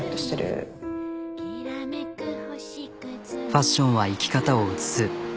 ファッションは生き方を映す。